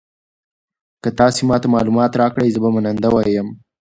که تاسي ما ته معلومات راکړئ زه به منندوی یم.